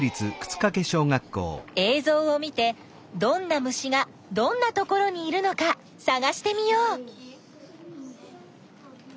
えいぞうを見てどんな虫がどんなところにいるのかさがしてみよう。